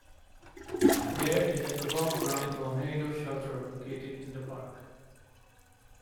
There is an above ground tornado shelter located in the park.